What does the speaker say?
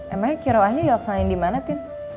emang kira kira nya dioksain dimana tin